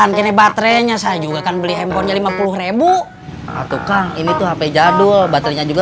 antre baterainya saya juga kan beli handphonenya lima puluh atau kang ini tuh hp jadul baterainya juga